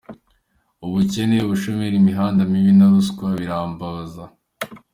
Ubukene, ubushomeri, imihanda mibi na ruswa birambabaza.